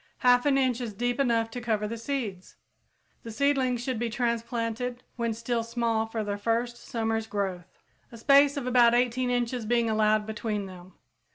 Half an inch is deep enough to cover the seeds. The seedlings should be transplanted when still small for their first summer's growth, a space of about 18 inches being allowed between them.